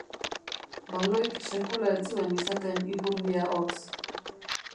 Baloik sekula ez zuen izaten ipurdia hotz.